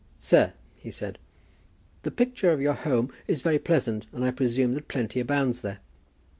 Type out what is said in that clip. "Sir," he said, "the picture of your home is very pleasant, and I presume that plenty abounds there."